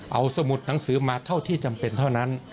เอาสมุดหนังสือมาเท่าที่จำเป็นเท่านั้น